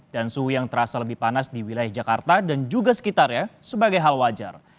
dan suhu yang terasa lebih panas di wilayah jakarta dan juga sekitarnya sebagai hal wajar